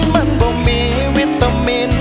มันบ่มีวิตามิน